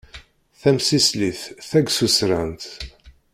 Tamsislit tagsusrant.